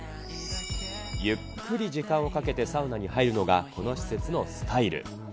ゆっくり時間をかけてサウナに入るのがこの施設のスタイル。